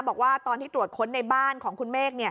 บอกว่าตอนที่ตรวจค้นในบ้านของคุณเมฆ